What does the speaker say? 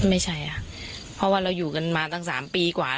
ไม่ใช่ค่ะเพราะว่าเราอยู่กันมาตั้ง๓ปีกว่า